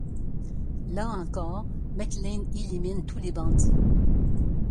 Là encore, McClane élimine tous les bandits.